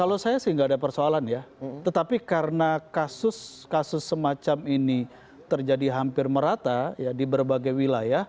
kalau saya sih nggak ada persoalan ya tetapi karena kasus kasus semacam ini terjadi hampir merata ya di berbagai wilayah